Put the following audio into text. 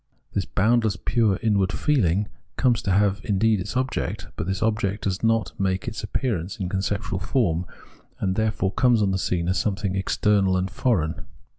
This boundless pure inward feel ing comes to have indeed its object ; but this object does not make its appearance in conceptual form, and therefore comes on the scene as something external and foreign.